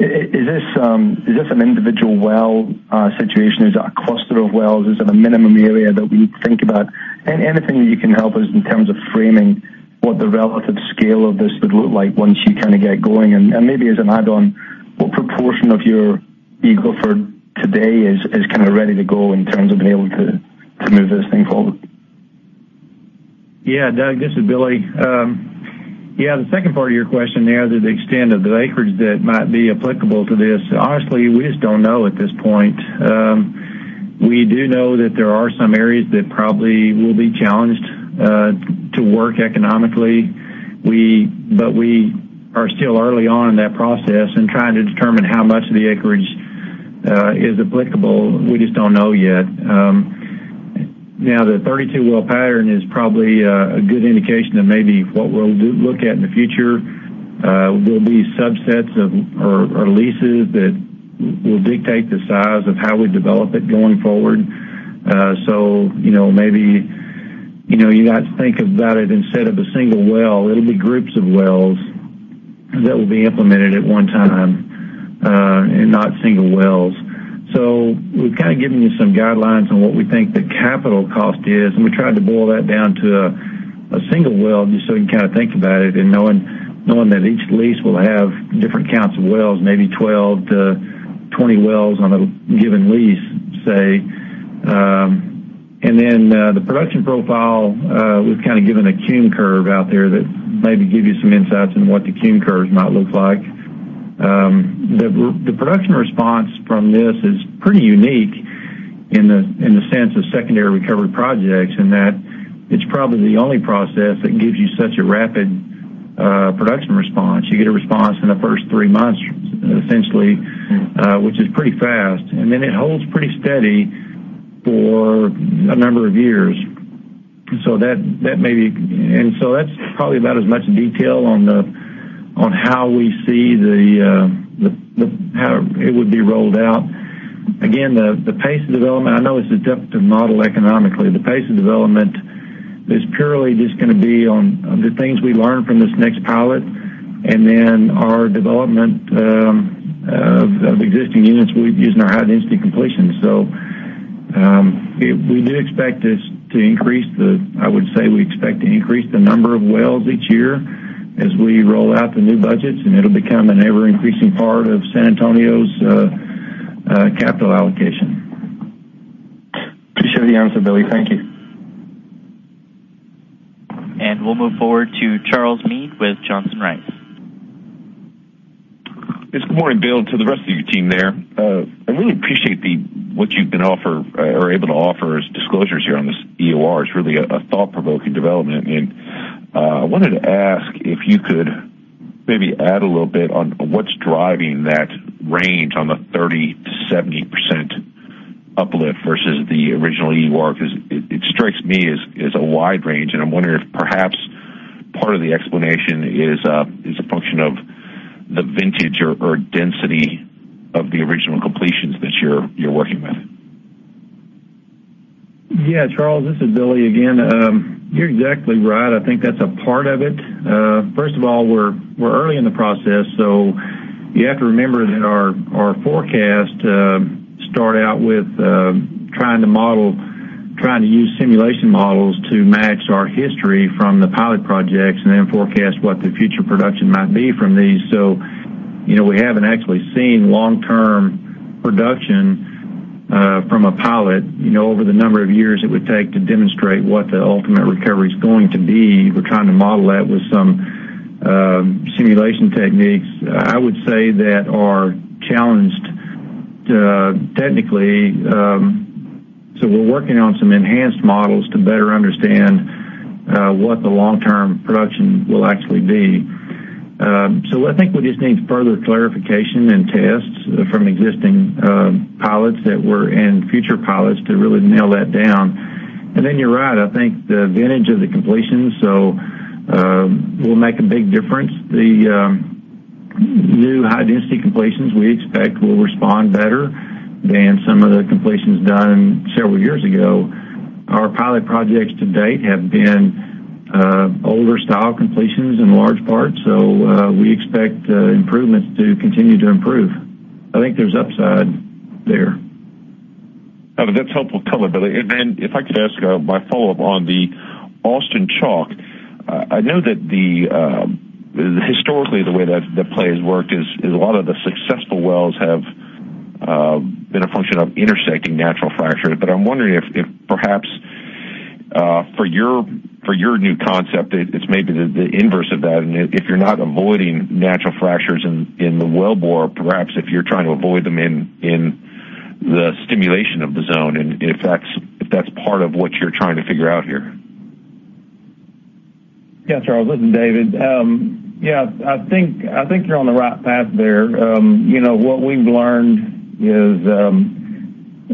is this an individual well situation? Is it a cluster of wells? Is it a minimum area that we think about? Anything that you can help us in terms of framing what the relative scale of this would look like once you kind of get going. Maybe as an add-on, what proportion of your Eagle Ford today is kind of ready to go in terms of being able to move this thing forward? Doug, this is Billy. The second part of your question there, to the extent of the acreage that might be applicable to this, honestly, we just don't know at this point. We do know that there are some areas that probably will be challenged to work economically. We are still early on in that process and trying to determine how much of the acreage is applicable. We just don't know yet. The 32-well pattern is probably a good indication of maybe what we'll look at in the future. Will these subsets or leases that will dictate the size of how we develop it going forward. Maybe you got to think about it instead of a single well, it'll be groups of wells that will be implemented at one time, and not single wells. We've kind of given you some guidelines on what we think the capital cost is. We tried to boil that down to a single well, just so we can kind of think about it. Knowing that each lease will have different counts of wells, maybe 12 to 20 wells on a given lease, say. The production profile, we've kind of given a decline curve out there that maybe give you some insights into what the Q curves might look like. The production response from this is pretty unique in the sense of secondary recovery projects, in that it's probably the only process that gives you such a rapid production response. You get a response in the first three months, essentially, which is pretty fast. It holds pretty steady for a number of years. That's probably about as much detail on how it would be rolled out. Again, the pace of development, I know it's adaptive model economically. The pace of development is purely just going to be on the things we learn from this next pilot, then our development of existing units using our high-density completions. We do expect this to increase the, I would say, we expect to increase the number of wells each year as we roll out the new budgets. It'll become an ever-increasing part of San Antonio's capital allocation. Appreciate the answer, Billy. Thank you. We'll move forward to Charles Meade with Johnson Rice. It's good morning, Bill, to the rest of your team there. I really appreciate what you've been able to offer as disclosures here on this EOR. It's really a thought-provoking development. I wanted to ask if you could maybe add a little bit on what's driving that range on the 30%-70% uplift versus the original EOR, because it strikes me as a wide range, and I'm wondering if perhaps part of the explanation is a function of the vintage or density of the original completions that you're working with. Yeah, Charles, this is Billy again. You're exactly right. I think that's a part of it. First of all, we're early in the process. You have to remember that our forecast started out with trying to use simulation models to match our history from the pilot projects and then forecast what the future production might be from these. We haven't actually seen long-term production from a pilot over the number of years it would take to demonstrate what the ultimate recovery's going to be. We're trying to model that with some simulation techniques I would say that are challenged technically. We're working on some enhanced models to better understand what the long-term production will actually be. I think we just need further clarification and tests from existing pilots that were in future pilots to really nail that down. Then you're right. I think the vintage of the completion will make a big difference. The new high-density completions, we expect, will respond better than some of the completions done several years ago. Our pilot projects to date have been older style completions in large part. We expect improvements to continue to improve. I think there's upside there. That's helpful color, Billy. Then if I could ask my follow-up on the Austin Chalk, I know that historically the way that the play has worked is a lot of the successful wells have been a function of intersecting natural fractures. I'm wondering if perhaps for your new concept, it's maybe the inverse of that, and if you're not avoiding natural fractures in the wellbore, perhaps if you're trying to avoid them in the stimulation of the zone, and if that's part of what you're trying to figure out here. Charles, this is David. I think you're on the right path there. What we've learned is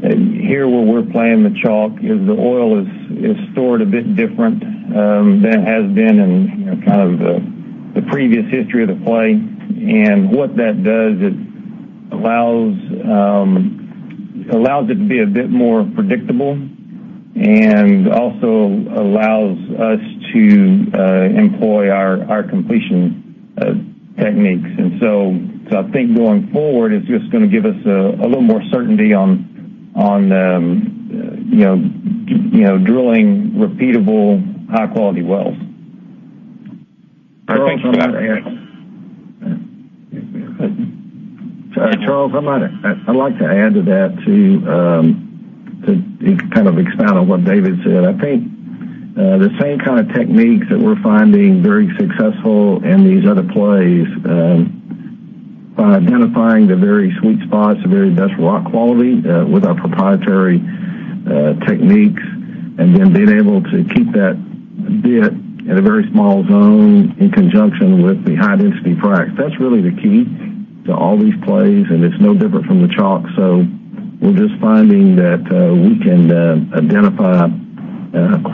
here where we're playing the Chalk is the oil is stored a bit different than it has been in kind of the previous history of the play. What that does is allows it to be a bit more predictable and also allows us to employ our completion techniques. I think going forward, it's just going to give us a little more certainty on drilling repeatable, high-quality wells. I think Charles, I'd like to add to that to kind of expound on what David said. I think the same kind of techniques that we're finding very successful in these other plays by identifying the very sweet spots, the very best rock quality with our proprietary techniques, and then being able to keep that bit in a very small zone in conjunction with the high-density fracs. That's really the key to all these plays, and it's no different from the Chalk. We're just finding that we can identify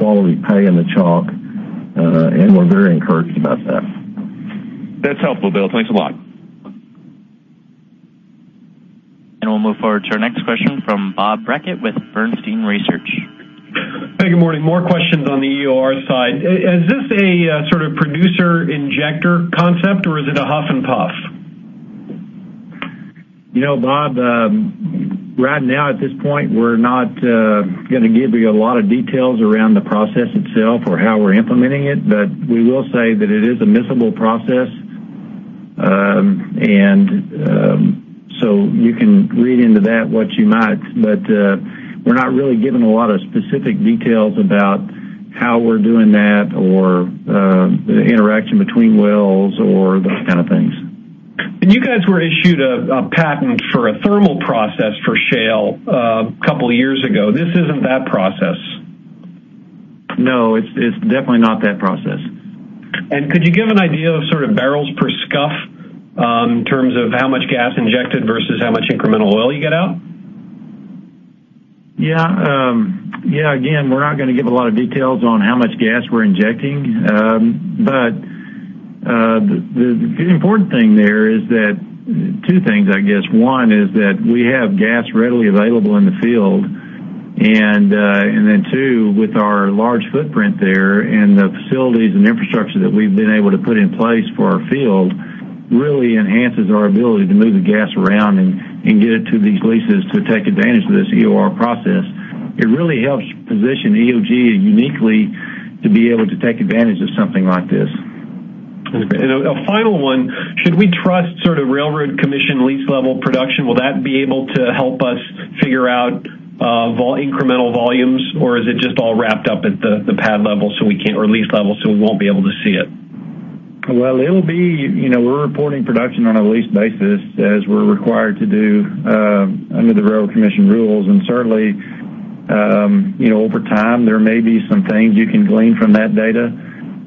quality pay in the Chalk, and we're very encouraged about that. That's helpful, Bill. Thanks a lot. We'll move forward to our next question from Bob Brackett with Bernstein Research. Hey, good morning. More questions on the EOR side. Is this a sort of producer injector concept, or is it a huff and puff? Bob, right now at this point, we're not going to give you a lot of details around the process itself or how we're implementing it. We will say that it is a miscible process, and so you can read into that what you might. We're not really giving a lot of specific details about how we're doing that or the interaction between wells or those kind of things. You guys were issued a patent for a thermal process for shale a couple of years ago. This isn't that process? No, it's definitely not that process. Could you give an idea of sort of barrels per Mcf in terms of how much gas injected versus how much incremental oil you get out? Yeah. Again, we're not going to give a lot of details on how much gas we're injecting. The important thing there is that two things, I guess. One is that we have gas readily available in the field. Then two, with our large footprint there and the facilities and infrastructure that we've been able to put in place for our field really enhances our ability to move the gas around and get it to these leases to take advantage of this EOR process. It really helps position EOG uniquely to be able to take advantage of something like this. A final one, should we trust sort of Railroad Commission lease level production? Will that be able to help us figure out? incremental volumes, or is it just all wrapped up at the pad level or lease level, so we won't be able to see it? Well, we're reporting production on a lease basis as we're required to do under the Railroad Commission rules. Certainly, over time, there may be some things you can glean from that data.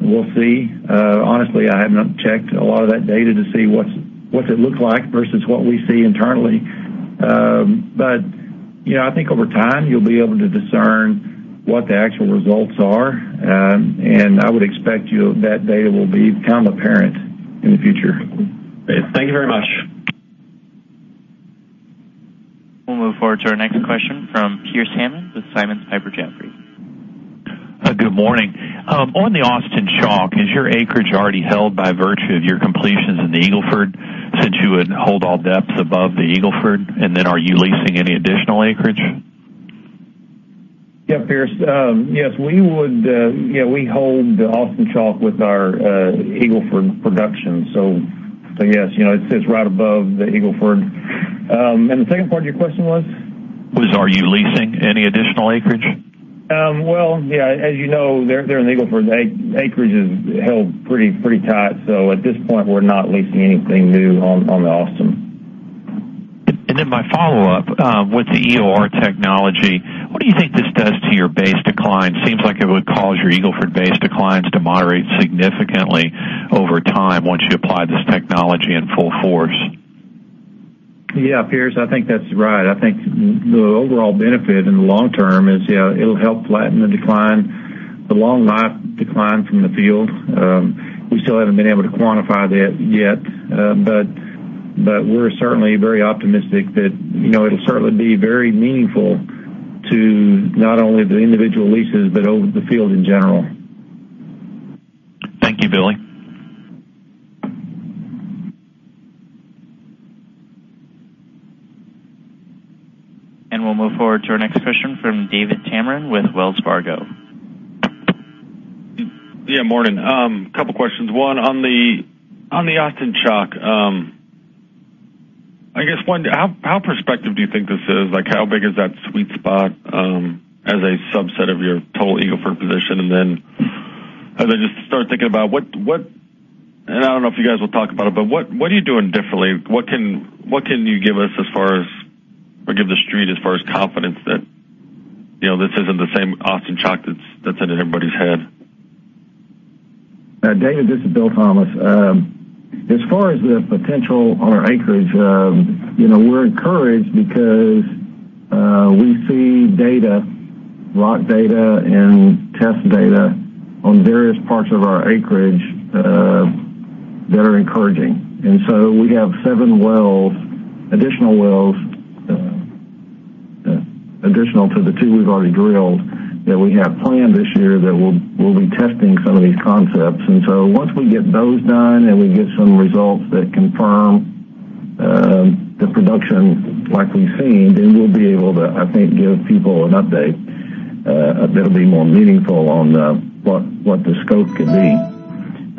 We'll see. Honestly, I have not checked a lot of that data to see what it looks like versus what we see internally. I think over time, you'll be able to discern what the actual results are. I would expect that data will become apparent in the future. Thank you very much. We'll move forward to our next question from Pearce Hammond with Simmons Piper Jaffray. Good morning. On the Austin Chalk, is your acreage already held by virtue of your completions in the Eagle Ford, since you would hold all depths above the Eagle Ford? Then are you leasing any additional acreage? Yeah, Pearce. Yes, we hold the Austin Chalk with our Eagle Ford production. Yes, it sits right above the Eagle Ford. The second part of your question was? Was, are you leasing any additional acreage? Well, yeah, as you know, there in the Eagle Ford, acreage is held pretty tight. At this point, we're not leasing anything new on the Austin. My follow-up, with the EOR technology, what do you think this does to your base decline? Seems like it would cause your Eagle Ford base declines to moderate significantly over time once you apply this technology in full force. Yeah, Pearce, I think that's right. I think the overall benefit in the long term is, it'll help flatten the decline, the long life decline from the field. We still haven't been able to quantify that yet. We're certainly very optimistic that it'll certainly be very meaningful to not only the individual leases but over the field in general. Thank you, Billy. We'll move forward to our next question from David Tameron with Wells Fargo. Morning. Couple questions. On the Austin Chalk, I guess, how prospective do you think this is? How big is that sweet spot as a subset of your total Eagle Ford position? As I just start thinking about what, and I don't know if you guys will talk about it, what are you doing differently? What can you give us as far as, or give the street as far as confidence that this isn't the same Austin Chalk that's in everybody's head? David, this is Bill Thomas. As far as the potential on our acreage, we're encouraged because we see data, log data and test data on various parts of our acreage that are encouraging. We have 7 wells, additional wells, additional to the 2 we've already drilled, that we have planned this year that we'll be testing some of these concepts. Once we get those done and we get some results that confirm the production like we've seen, we'll be able to, I think, give people an update that'll be more meaningful on what the scope could be.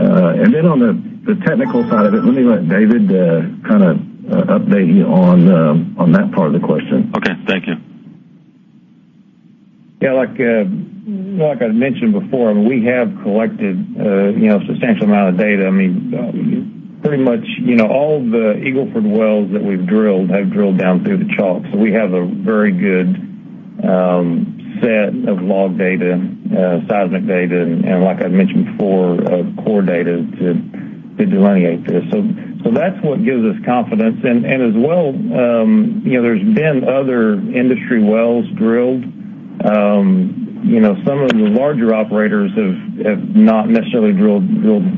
On the technical side of it, let me let David update you on that part of the question. Okay. Thank you. Like I mentioned before, we have collected a substantial amount of data. Pretty much all the Eagle Ford wells that we've drilled have drilled down through the Chalk. We have a very good set of log data, seismic data, and like I mentioned before, core data to delineate this. That's what gives us confidence. As well, there's been other industry wells drilled. Some of the larger operators have not necessarily drilled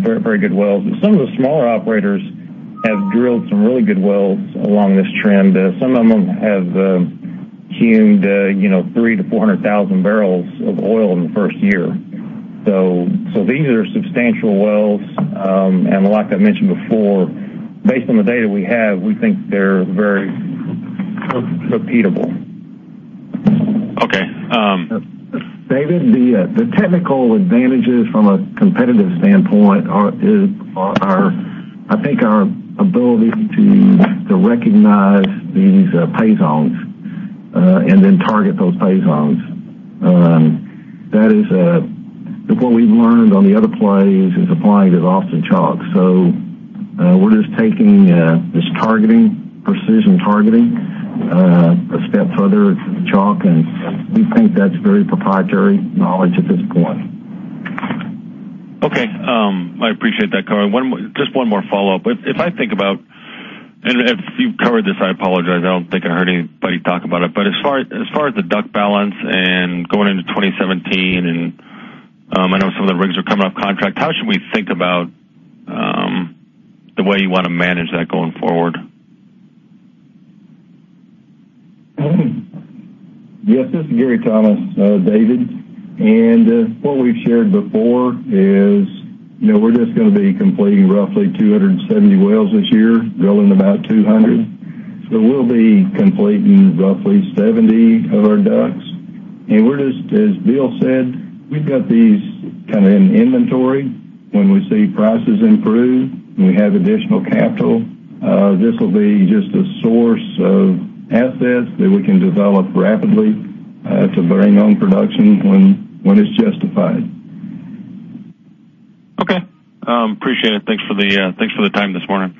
very good wells. Some of the smaller operators have drilled some really good wells along this trend. Some of them have keyed three to 400,000 barrels of oil in the first year. These are substantial wells. Like I mentioned before, based on the data we have, we think they're very repeatable. Okay. David, the technical advantages from a competitive standpoint are, I think, our ability to recognize these pay zones, and then target those pay zones. That is what we've learned on the other plays is applying to the Austin Chalk. We're just taking this precision targeting a step further to the Chalk, and we think that's very proprietary knowledge at this point. Okay. I appreciate that comment. Just one more follow-up. If I think about, and if you've covered this, I apologize, I don't think I heard anybody talk about it. As far as the DUCs balance and going into 2017, and I know some of the rigs are coming off contract, how should we think about the way you want to manage that going forward? Yes, this is Gary Thomas, David. What we've shared before is we're just going to be completing roughly 270 wells this year, drilling about 200. We'll be completing roughly 70 of our DUCs. We're just, as Bill said, we've got these kind of in inventory. When we see prices improve, and we have additional capital, this will be just a source of assets that we can develop rapidly to bring on production when it's justified. Okay. Appreciate it. Thanks for the time this morning.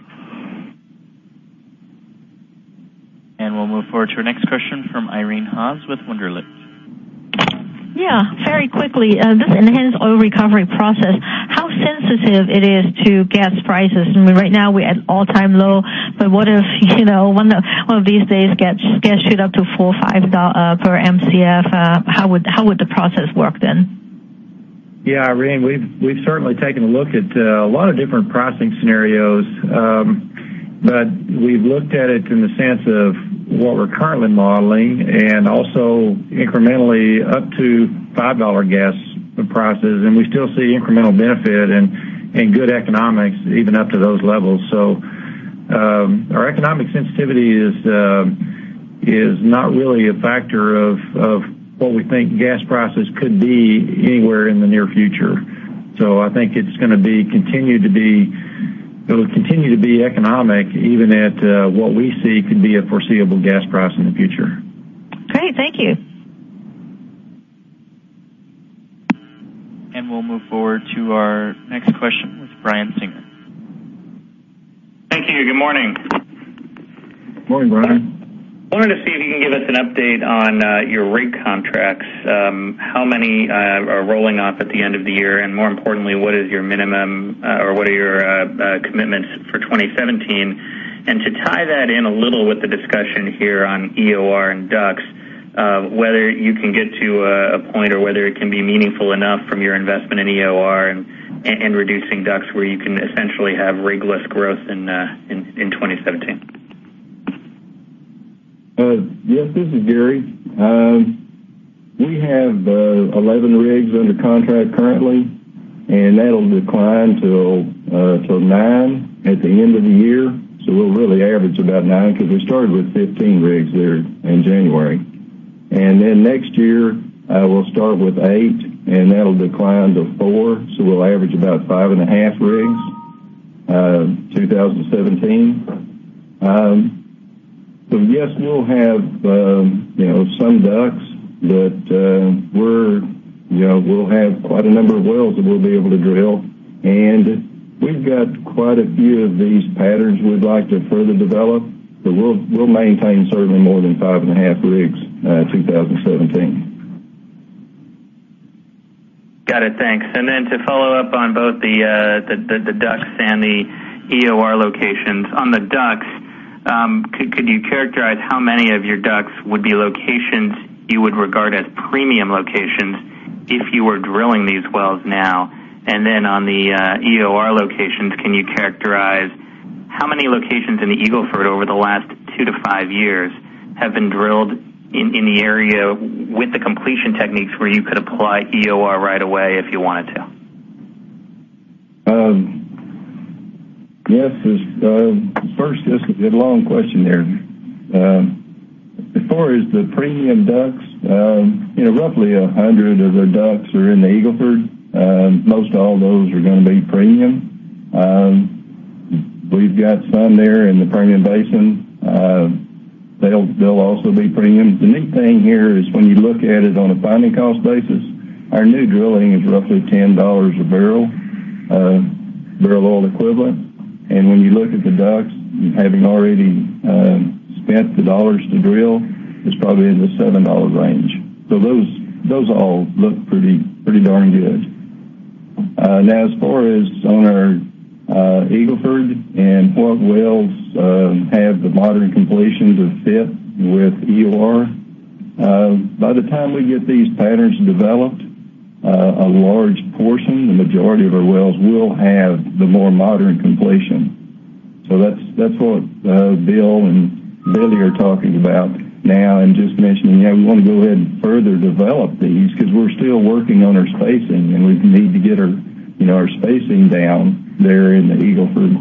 We'll move forward to our next question from Irene Haas with Wunderlich. Yeah, very quickly, this enhanced oil recovery process, how sensitive it is to gas prices? I mean, right now we're at all-time low, what if one of these days gas shoot up to $4 or $5 per Mcf? How would the process work then? Yeah, Irene, we've certainly taken a look at a lot of different pricing scenarios. We've looked at it from the sense of what we're currently modeling and also incrementally up to $5 gas prices, we still see incremental benefit and good economics even up to those levels. Our economic sensitivity is not really a factor of what we think gas prices could be anywhere in the near future. I think it'll continue to be economic even at what we see could be a foreseeable gas price in the future. Great. Thank you. We'll move forward to our next question with Brian Singer. Thank you. Good morning. Morning, Brian. I wanted to see if you can give us an update on your rig contracts. How many are rolling off at the end of the year, and more importantly, what is your minimum, or what are your commitments for 2017? To tie that in a little with the discussion here on EOR and DUCs, whether you can get to a point or whether it can be meaningful enough from your investment in EOR and reducing DUCs where you can essentially have rig-less growth in 2017. Yes, this is Gary. We have 11 rigs under contract currently. That'll decline to nine at the end of the year. We'll really average about nine because we started with 15 rigs there in January. Next year, we'll start with eight. That'll decline to four. We'll average about five and a half rigs, 2017. Yes, we'll have some DUCs, but we'll have quite a number of wells that we'll be able to drill. We've got quite a few of these patterns we'd like to further develop. We'll maintain certainly more than five and a half rigs, 2017. Got it. Thanks. To follow up on both the DUCs and the EOR locations. On the DUCs, could you characterize how many of your DUCs would be locations you would regard as premium locations if you were drilling these wells now? On the EOR locations, can you characterize how many locations in the Eagle Ford over the last two to five years have been drilled in the area with the completion techniques where you could apply EOR right away if you wanted to? Yes. First, just a long question there. As far as the premium DUCs, roughly 100 of the DUCs are in the Eagle Ford. Most all those are going to be premium. We've got some there in the Permian Basin. They'll also be premium. The neat thing here is when you look at it on a finding cost basis, our new drilling is roughly $10 a barrel oil equivalent. When you look at the DUCs, having already spent the dollars to drill, it's probably in the $7 range. Those all look pretty darn good. Now as far as on our Eagle Ford and what wells have the modern completions that fit with EOR. By the time we get these patterns developed, a large portion, the majority of our wells will have the more modern completion. That's what Bill and Billy are talking about now and just mentioning how we want to go ahead and further develop these because we're still working on our spacing. We need to get our spacing down there in the Eagle Ford.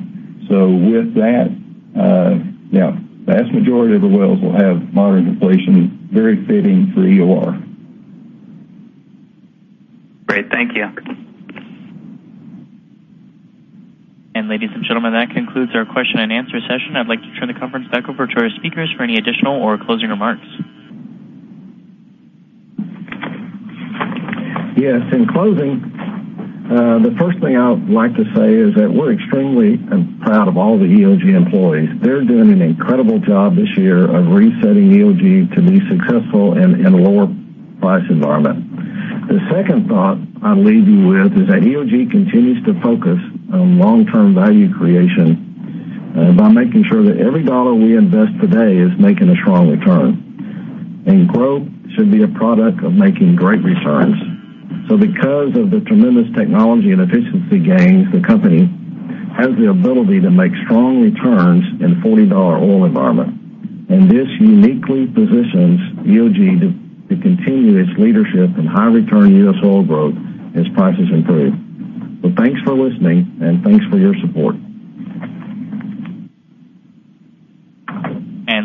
With that, the vast majority of the wells will have modern completions very fitting for EOR. Great. Thank you. ladies and gentlemen, that concludes our question and answer session. I'd like to turn the conference back over to our speakers for any additional or closing remarks. Yes. In closing, the first thing I would like to say is that we're extremely proud of all the EOG employees. They're doing an incredible job this year of resetting EOG to be successful in a lower price environment. The second thought I'll leave you with is that EOG continues to focus on long-term value creation by making sure that every dollar we invest today is making a strong return. Growth should be a product of making great returns. Because of the tremendous technology and efficiency gains, the company has the ability to make strong returns in $40 oil environment. This uniquely positions EOG to continue its leadership in high return U.S. oil growth as prices improve. Thanks for listening, and thanks for your support.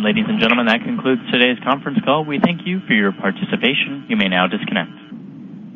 ladies and gentlemen, that concludes today's conference call. We thank you for your participation. You may now disconnect.